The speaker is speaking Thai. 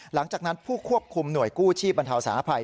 หลังจากนั้นผู้ควบคุมหน่วยกู้ชีพบรรเทาสาธารณภัย